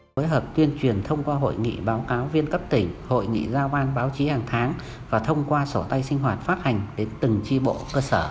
phối hợp tuyên truyền thông qua hội nghị báo cáo viên cấp tỉnh hội nghị giao ban báo chí hàng tháng và thông qua sổ tay sinh hoạt phát hành đến từng tri bộ cơ sở